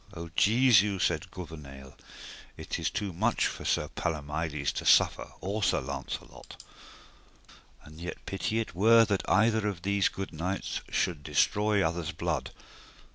O Jesu, said Gouvernail, it is too much for Sir Palomides to suffer or Sir Launcelot, and yet pity it were that either of these good knights should destroy other's blood.